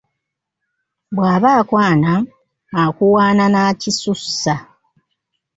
Bw'aba akwana akuwaana n'akisussa.